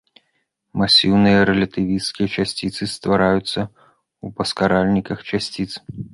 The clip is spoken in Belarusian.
Масіўныя рэлятывісцкія часціцы ствараюцца ў паскаральніках часціц.